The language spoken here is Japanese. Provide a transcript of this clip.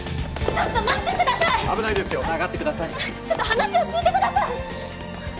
ちょっと話を聞いて下さい！